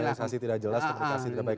komunikasi tidak jelas komunikasi tidak baik